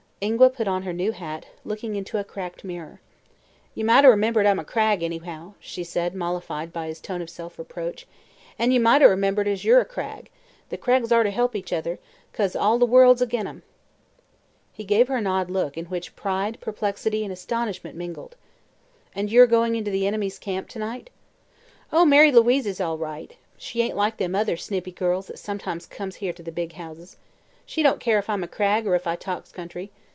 Ingua put on her new hat, looking into a cracked mirror. "Ye might 'a' remembered I'm a Cragg, anyhow," said she, mollified by his tone of self reproach. "An' ye might 'a' remembered as you're a Cragg. The Craggs orter help each other, 'cause all the world's ag'in 'em." He gave her an odd look, in which pride, perplexity and astonishment mingled. "And you are going into the enemy's camp to night?" "Oh, Mary Louise is all right. She ain't like them other snippy girls that sometimes comes here to the big houses. She don't care if I am a Cragg, or if I talks country.